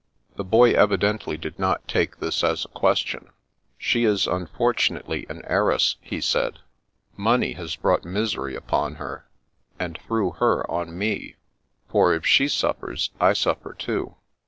The boy evidently did not take this as a question. " She is unfortunately an heiress," he said. " Money has brought misery upon her, and through her, on me; for if she suffers, I suffer too.